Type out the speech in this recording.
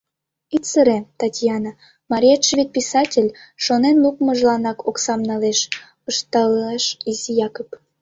— Ит сыре, Татьяна, мариетше вет писатель, шонен лукмыжланак оксам налеш, — ышталеш изи Якып.